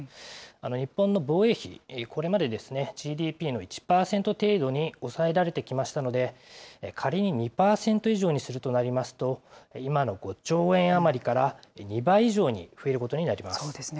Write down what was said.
日本の防衛費、これまでＧＤＰの１％程度に抑えられてきましたので、仮に２％以上にするとなりますと、今の５兆円余りから、２倍以上に増えるこそうですね。